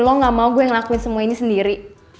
lo gak mau gue ngelakuin semua ini sendiri